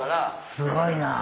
すごいな！